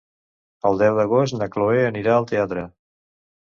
El deu d'agost na Cloè anirà al teatre.